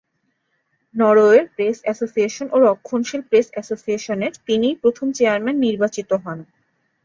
নরওয়ের press association ও রক্ষণশীল প্রেস এসোসিয়েশনের তিনিই প্রথম চেয়ারম্যান নির্বাচিত হন।